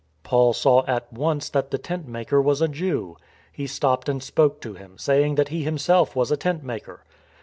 Paul saw at once that the tent maker was a Jew. He stopped and spoke to him, saying that he himself was a tent maker.